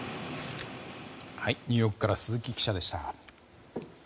ニューヨークから鈴木記者でした。